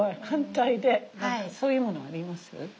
何かそういうものあります？